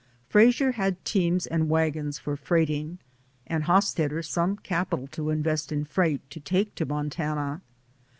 Frasier had teams and wagons for freighting, and Hosstetter some capital to invest in freight, to take to Montana.